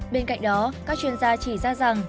bên cạnh đó các chuyên gia chỉ ra rằng